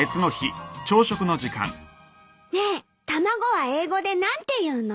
ねえ卵は英語で何て言うの？